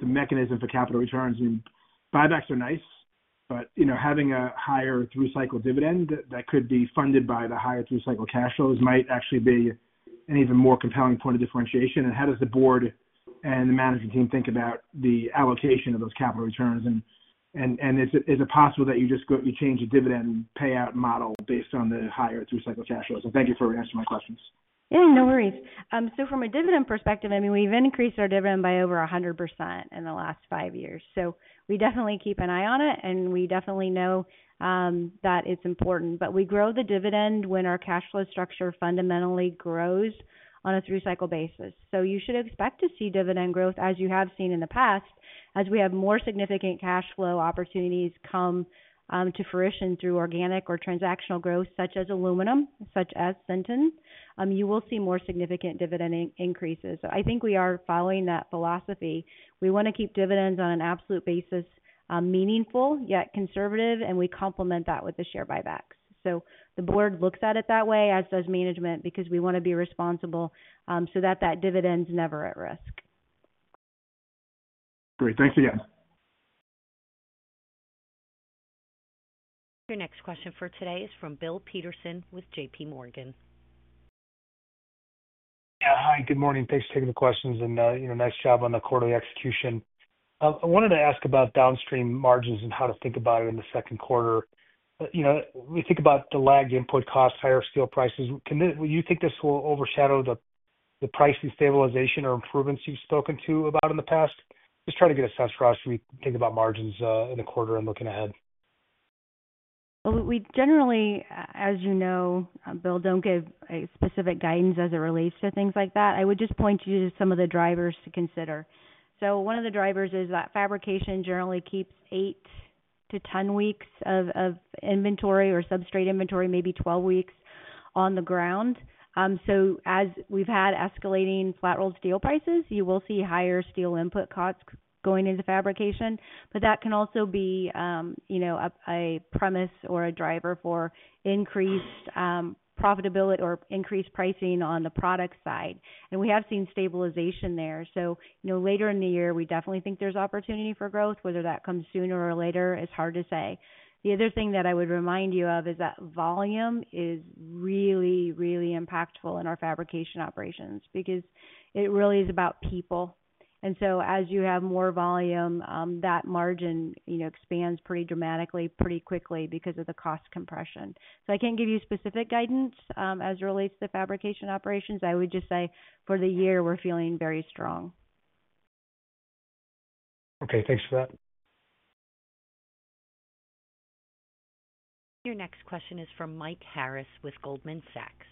mechanism for capital returns, buybacks are nice, but you know, having a higher through cycle dividend that could be funded by the higher through cycle cash flows might actually be an even more compelling point of differentiation. How does the board and the management team think about the allocation of those capital returns? Is it possible that you just go, you change the dividend payout model based on the higher through cycle cash flows? Thank you for answering my questions. Yeah, no worries. From a dividend perspective, I mean, we've increased our dividend by over 100% in the last few five years. We definitely keep an eye on it and we definitely know that it's important. We grow the dividend when our cash flow structure fundamentally grows on a through cycle basis. You should expect to see dividend growth as you have seen in the past. As we have more significant cash flow opportunities come to fruition through organic or transactional growth, such as aluminum, such as Sinton, you will see more significant dividend increases. I think we are following that philosophy. We want to keep dividends on an absolute basis, meaningful, yet conservative. We complement that with the share buybacks. The board looks at it that way, as does management, because we want to be responsible so that that dividend is never at risk. Great. Thanks again. Your next question for today is from Bill Peterson with JPMorgan. Hi, good morning. Thanks for taking the questions. You know, nice job on the quarterly execution. I wanted to ask about downstream margins and how to think about it in the second quarter. You know, we think about the lag, input costs, higher steel prices. Do you think this will overshadow the price stabilization or improvements you've spoken to about in the past? Just trying to get a sense for us, as we think about margins in the quarter and looking ahead. Generally, as you know, Bill, we do not give specific guidance as it relates to things like that. I would just point to you some of the drivers to consider. One of the drivers is that fabrication generally keeps 8-10 weeks of inventory or substrate inventory, maybe 12 weeks on the ground. As we have had escalating flat rolled steel prices, you will see higher steel input costs going into fabrication. That can also be a premise or a driver for increased profitability or increased pricing on the product side. We have seen stabilization there. Later in the year we definitely think there is opportunity for growth. Whether that comes sooner or later, it is hard to say. The other thing that I would remind you of is that volume is really, really impactful in our fabrication operations because it really is about people. As you have more volume, that margin expands pretty dramatically, pretty quickly because of the cost compression. I can't give you specific guidance as it relates to the fabrication operations. I would just say for the year we're feeling very strong. Okay, thanks for that. Your next question is from Mike Harris with Goldman Sachs.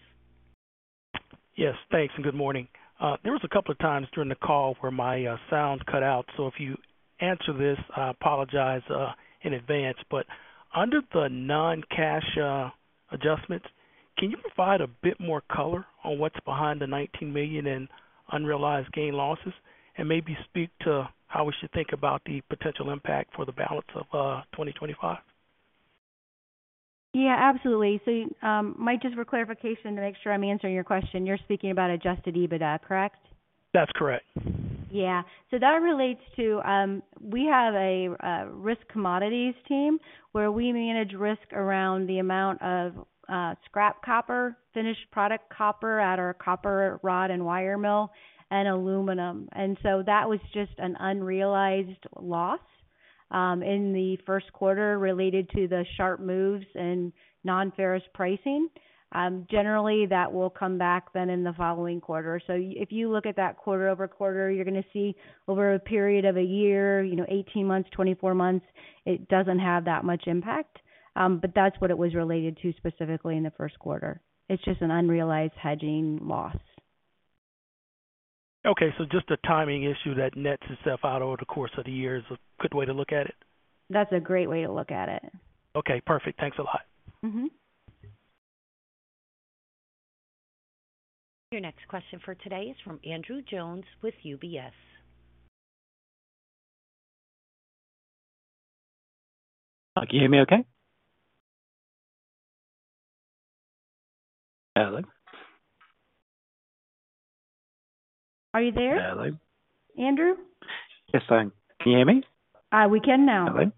Yes, thanks and good morning. There was a couple of times during the call where my sound cut out. If you answered this, I apologize in advance, but under the non-cash adjustments, can you provide a bit more color on what's behind the $19 million in unrealized gain losses and maybe speak to how we should think about the potential impact for the balance of 2025? Yeah, absolutely. Mike, just for clarification to make sure I'm answering your question, you're speaking about adjusted EBITDA, correct? That's correct, yeah. That relates to, we have a risk commodities team where we manage risk around the amount of scrap, copper, finished product, copper at our copper rod and wire mill, and aluminum. That was just an unrealized loss in the first quarter related to the sharp moves in nonferrous pricing. Generally, that will come back then in the following quarter. If you look at that quarter-over-quarter, you're going to see over a period of a year, 18 months, 24 months, it does not have that much impact. That is what it was related to specifically in the first quarter. It is just an unrealized hedging loss. Okay, so just a timing issue that nets itself out over the course of the year is a good way to look at it? That's a great way to look at it. Okay, perfect. Thanks a lot. Your next question for today is from Andrew Jones with UBS. Can you hear me? Okay. Hello. Are you there? Hello? Andrew? Yes. Can you hear me? We can now. Hello?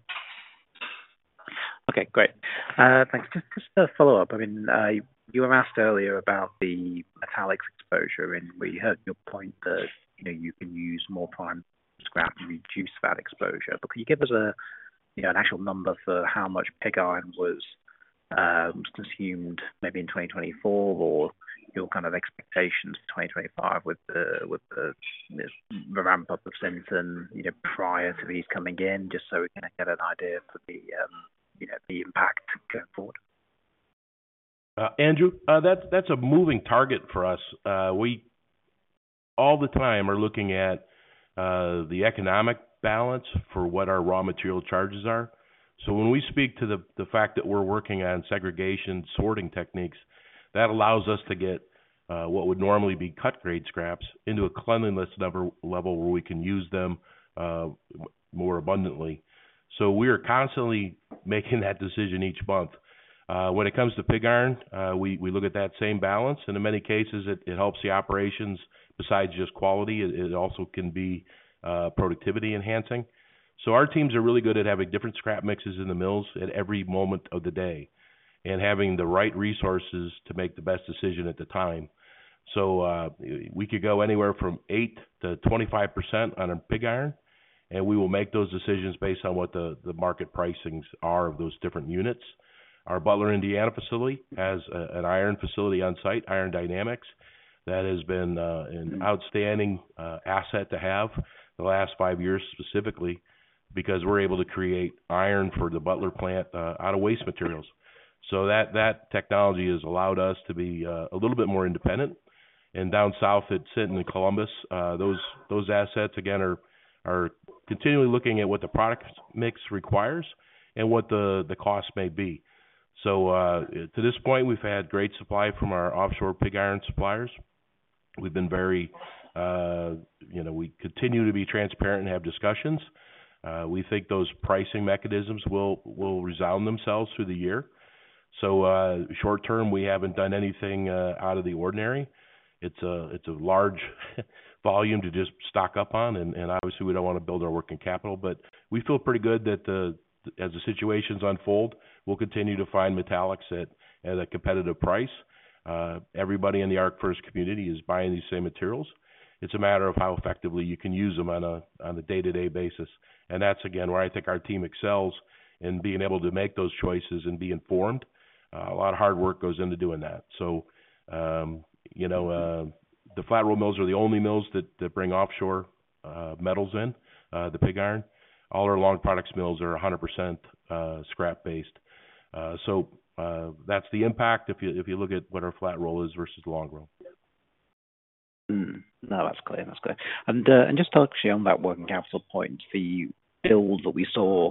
Okay, great, thanks. Just to follow up, I mean you were asked earlier about the metallics exposure and we heard your point that, you know, you can use more prime scrap and reduce that exposure. But can you give us a, you know, an actual number for how much pig iron was consumed maybe in 2024 or your kind of expectations? 2025 with the, with the ramp up of Sinton, you know, prior to these coming in just so we can get an idea for the, you know, the impact going forward? Andrew, that is a moving target for us. We all the time are looking at the economic balance for what our raw material charges are. When we speak to the fact that we're working on segregation sorting techniques, that allows us to get what would normally be cut grade scraps into a cleanliness level where we can use them more abundantly. We are constantly making that decision each month. When it comes to pig iron, we look at that same balance and in many cases it helps the operations. Besides just quality, it also can be productivity enhancing. Our teams are really good at having different scrap mixes in the mills at every moment of the day and having the right resources to make the best decision at the time. We could go anywhere from 8%-25% on pig iron and we will make those decisions based on what the market pricings are of those different units. Our Butler, Indiana facility has an iron facility on site, Iron Dynamics, that has been an outstanding asset to have the last five years specifically because we're able to create iron for the Butler plant out of waste materials. That technology has allowed us to be a little bit more independent. Down south at Sinton and Columbus, those assets again are continually looking at what the product mix requires and what the cost may be. To this point we've had great supply from our offshore pig iron suppliers. We've been very, you know, we continue to be transparent and have discussions. We think those pricing mechanisms will resound themselves through the year. Short term, we have not done anything out of the ordinary. It is a large volume to just stock up on and obviously we do not want to build our working capital, but we feel pretty good that as the situations unfold we will continue to find metallics at a competitive price. Everybody in the arc furnace community is buying these same materials. It is a matter of how effectively you can use them on a day-to-day basis. That is again where I think our team excels in being able to make those choices and be informed. A lot of hard work goes into doing that. You know, the flat rolled mills are the only mills that bring offshore metals in, the pig iron. All our long products mills are 100% scrap based. That is the impact if you look at what our flat roll is versus long roll. No, that's clear. That's good. Just actually on that working capital point, the build that we saw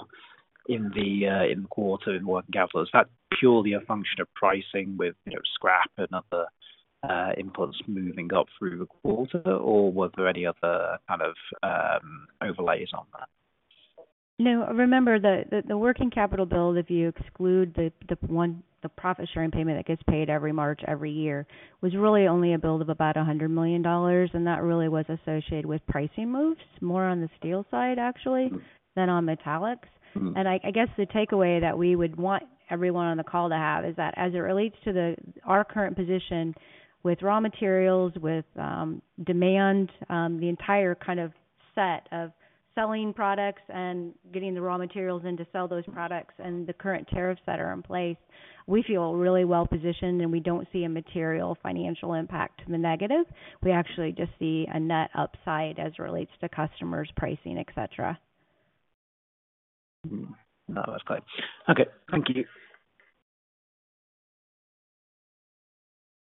in the quarter, in working capital, is that purely a function of pricing with scrap and other inputs moving up through the quarter or were there any other kind of overlays on that? No. Remember the working capital build, if you exclude the one, the profit sharing payment that gets paid every March, every year was really only a build of about $100 million. That really was associated with pricing moves more on the steel side actually than on metallics. I guess the takeaway that we would want everyone on the call to have is that as it relates to our current position with raw materials, with demand, the entire kind of set of selling products and getting the raw materials in to sell those products and the current tariffs that are in place, we feel really well positioned and we do not see a material financial impact to the negative. We actually just see a net upside as it relates to customers, pricing, etc. No, that was good. Okay, thank you.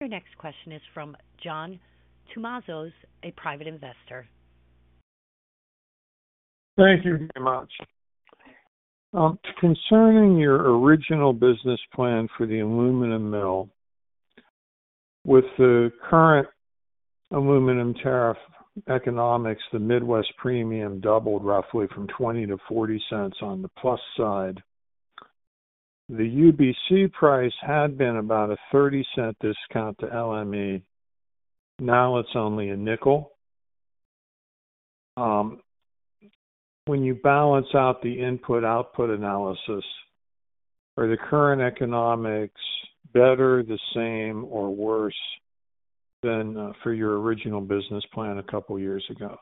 Your next question is from John Tumazos, a private investor. Thank you very much. Concerning your original business plan for the aluminum mill. With the current aluminum tariff economics, the Midwest premium doubled roughly from $0.20 to $0.40 on the plus side. The UBC price had been about a $0.30 discount to LME. Now it is only a nickel. When you balance out the input output analysis, are the current economics better, the same, or worse than for your original business plan a couple years ago?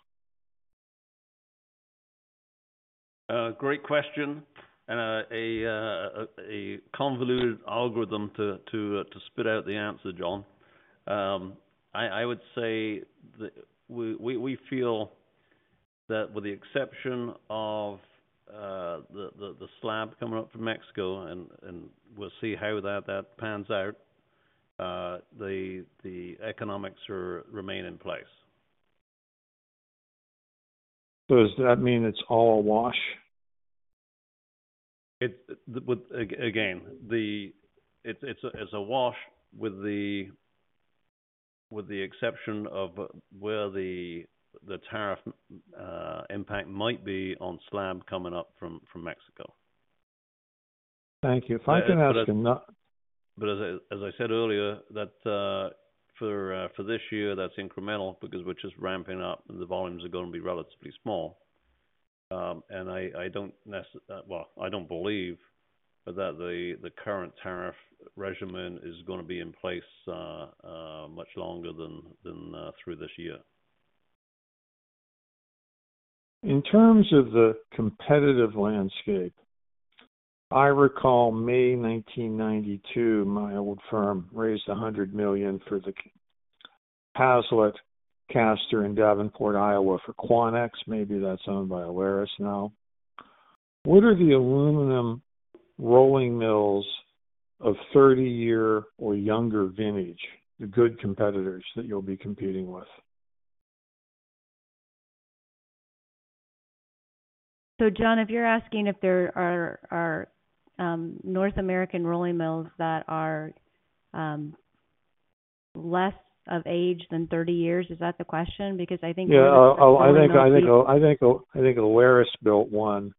Great question and a convoluted algorithm to spit out the answer. John, I would say we feel that with the exception of the slab coming up from Mexico and we'll see how that pans out, the economics remain in place. Does that mean it's all a wash? Again, it's awash with the exception of where the tariff impact might be on slab coming up from Mexico. Thank you. If I can ask another. As I said earlier, for this year, that's incremental because we're just ramping up and the volumes are going to be relatively small. I don't believe that the current tariff regimen is going to be in place much longer than through this year. In terms of the competitive landscape. I recall May 1992, my old firm raised $100 million for the Hazelett caster in Davenport, Iowa, for Quanex, maybe that's owned by Aleris. Now what are the aluminum rolling mills of 30 year or younger vintage, the good competitors that you'll be competing with? John, if you're asking if there are North American rolling mills that are less of age than 30 years, is that the question? Because I think. Yeah, I think Aleris built one.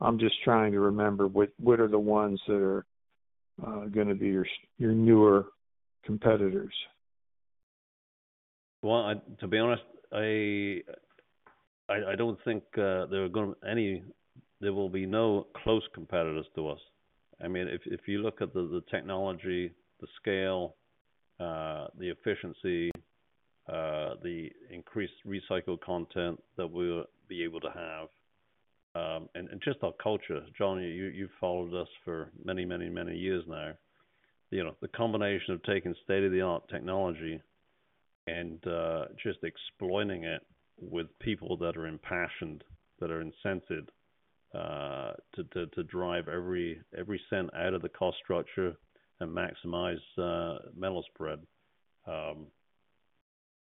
I'm just trying to remember what are the ones that are going to be your newer competitors? To be honest, I do not think there are going any. There will be no close competitors to us. I mean, if you look at the technology, the scale, the efficiency, the increased recycled content that we will be able to have and just our culture. John, you have followed us for many, many, many years now. The combination of taking state-of-the-art technology and just exploiting it with people that are impassioned, that are incented to drive every cent out of the cost structure and maximize metal spread.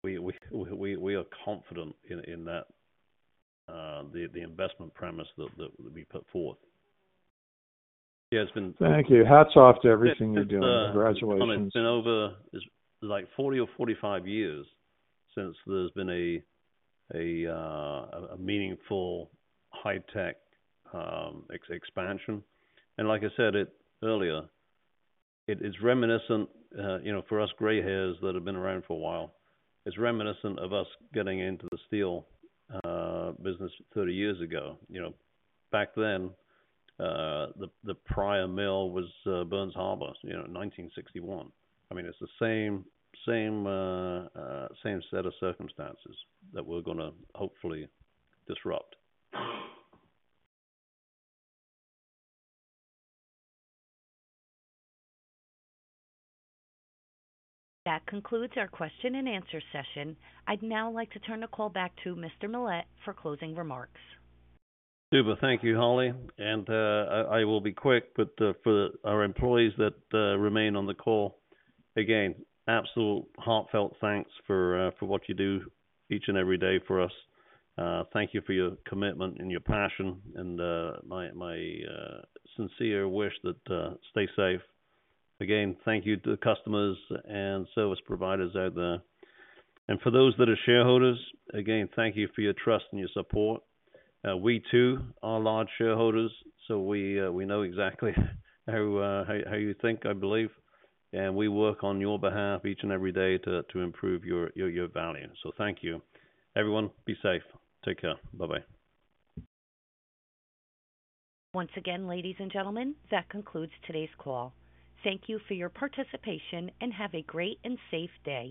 We are confident in the investment premise that we put forth. Yeah, it has been. Thank you. Hats off to everything you're doing. Congratulations. It's been over like 40 or 45 years since there's been a meaningful high tech expansion. And like I said it earlier, it's reminiscent, you know, for us gray hairs that have been around for a while, it's reminiscent of us getting into the steel business 30 years ago. You know, back then the prior mill was Burns Harbor, 1961. I mean, it's the same set of circumstances that we're going to hopefully disrupt. That concludes our question and answer session. I'd now like to turn the call back to Mr. Millett for closing remarks. Thank you, Holly, and I will be quick. For our employees that remain on the call, again, absolute heartfelt thanks for what you do each and every day for us. Thank you for your commitment and your passion and my sincere wish that you stay safe. Again, thank you to the customers and service providers out there and for those that are shareholders. Again, thank you for your trust and your support. We too are large shareholders, so we know exactly how you think, I believe. We work on your behalf each and every day to improve your value. Thank you everyone. Be safe. Take care. Bye bye. Once again, ladies and gentlemen, that concludes today's call. Thank you for your participation and have a great and safe day.